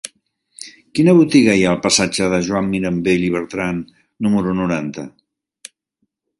Quina botiga hi ha al passatge de Joan Mirambell i Bertran número noranta?